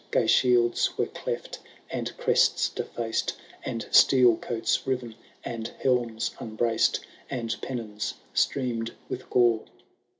Gay shields were cleft, and crests defaced, And steel coats riven, and helms unbraced, And pennons streamed with gore.